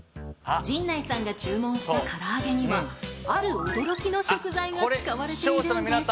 陣内さんが注文した唐揚げにはある驚きの食材が使われているんです